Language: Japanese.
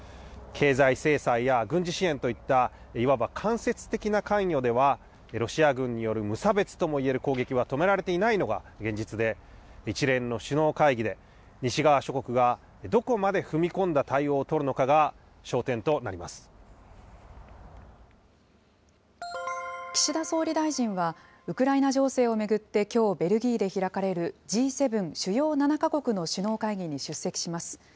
経済制裁や軍事支援といったいわば間接的な関与では、ロシア軍による無差別ともいえる攻撃は止められていないのが現実で、一連の首脳会議で、西側諸国がどこまで踏み込んだ対応を取るのかが、焦岸田総理大臣は、ウクライナ情勢を巡って、きょう、ベルギーで開かれるＧ７・主要７か国の首脳会議に出席します。